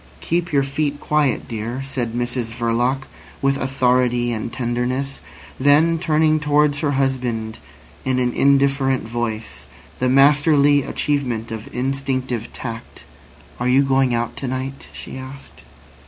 "Keep your feet quiet, dear," said Mrs Verloc, with authority and tenderness; then turning towards her husband in an indifferent voice, the masterly achievement of instinctive tact: "Are you going out to night?" she asked.